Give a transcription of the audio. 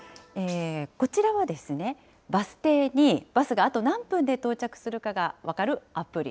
こちらはですね、バス停にバスがあと何分で到着するかが分かるアプリ。